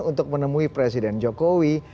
untuk menemui presiden jokowi